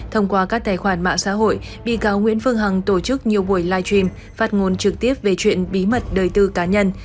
thông qua các tài khoản mạng xã hội bị cáo nguyễn phương hằng tổ chức nhiều buổi live stream phát ngôn trực tiếp về chuyện bí mật đời tư cá nhân